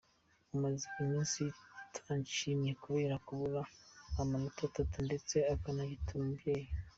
umaze iminsi atishimye kubera kubura amanota atatu ndetse akanagitura umubyeyi